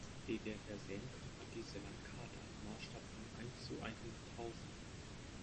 Wie wir hier sehen können, hat diese Landkarte einen Maßstab von eins zu einhunderttausend.